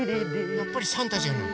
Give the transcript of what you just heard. やっぱりサンタじゃない。